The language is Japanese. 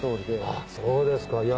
あっそうですかいや。